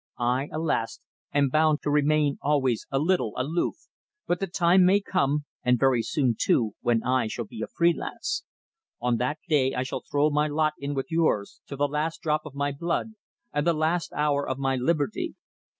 I, alas! am bound to remain always a little aloof, but the time may come, and very soon, too, when I shall be a free lance. On that day I shall throw my lot in with yours, to the last drop of my blood and the last hour of my liberty.